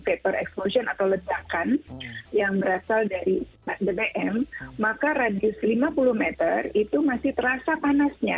paper explosion atau ledakan yang berasal dari bbm maka radius lima puluh meter itu masih terasa panasnya